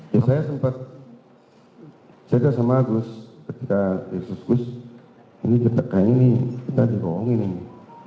ya saya sempat saya juga sama terus ketika yesuskus ini ketekan ini kita dirongin ini